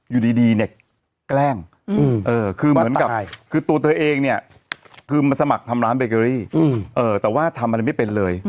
อยู่ดีเนี่ยแกล้งคือเหมือนกับคือตัวเธอเองเนี่ยคือมาสมัครทำร้านเบเกอรี่แต่ว่าทำอะไรไม่เป็นเลย